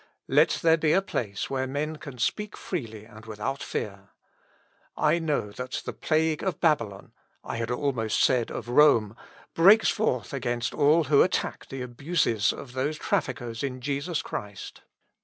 Let there be a place where men can speak freely and without fear. I know that the plague of Babylon I had almost said of Rome breaks forth against all who attack the abuses of those traffickers in Jesus Christ.